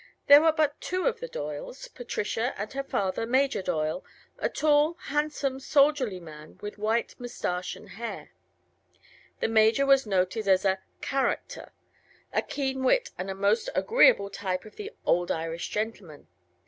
There were but two of the Doyles Patricia and her father, Major Doyle, a tall, handsome, soldierly man with white moustache and hair. The Major was noted as a "character," a keen wit and a most agreeable type of the "old Irish gentleman."